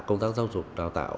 công tác giáo dục đào tạo